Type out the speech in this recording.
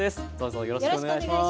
よろしくお願いします。